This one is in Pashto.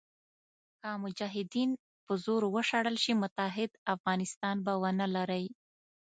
که مجاهدین په زور وشړل شي متحد افغانستان به ونه لرئ.